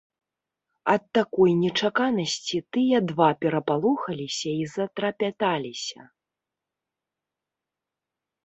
Ад такой нечаканасці тыя два перапалохаліся і затрапяталіся.